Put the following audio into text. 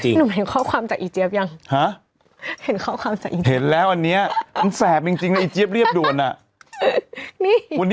หนุ่มเห็นข้อความจากอีเจี๊ยบยังฮะ